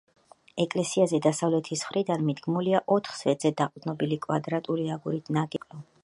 ეკლესიაზე დასავლეთის მხრიდან მიდგმულია ოთხ სვეტზე დაყრდნობილი კვადრატული აგურით ნაგები ორსართულიანი სამრეკლო.